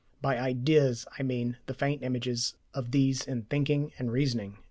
By IDEAS I mean the faint images of these in thinking and reasoning."